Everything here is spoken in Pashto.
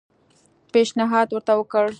پېشنهاد ورته وکړ.